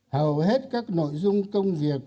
hầu hết các nội dung công việc